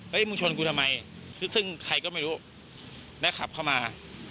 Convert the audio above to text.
มึงชนกูทำไมซึ่งใครก็ไม่รู้ได้ขับเข้ามา